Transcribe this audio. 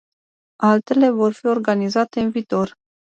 Altele vor fi organizate în viitor.